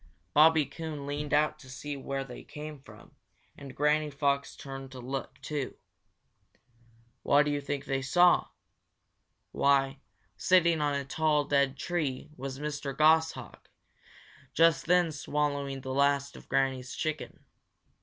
Bobby Coon leaned out to see where they came from, and Granny Fox turned to look, too. What do you think they saw? Why, sitting on a tall, dead tree was Mr. Goshawk, just then swallowing the last of Granny's chicken.